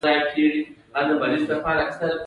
د جلال اباد د نارنج باغونه ښکلي دي.